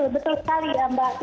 betul sekali ya mbak